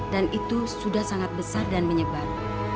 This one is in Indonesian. dan itu sudah sangat besar dan menyebar